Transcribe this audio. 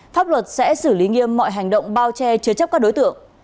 pháp luật sẽ xử lý nghiêm mọi hành động bao che chứa chấp các đối tượng